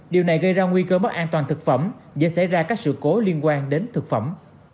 điều này gây ra nguy cơ mất an toàn thực phẩm dễ xảy ra các sự cố liên quan đến thực phẩm